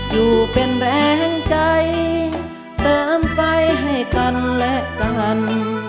อยู่เป็นแรงใจเติมไฟให้กันและกัน